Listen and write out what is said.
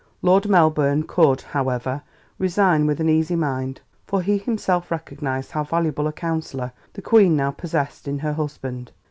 Lord Melbourne could, however, resign with an easy mind, for he himself recognized how valuable a counsellor the Queen now possessed in her husband.